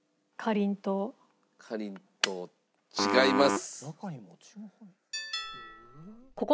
かりんとう違います。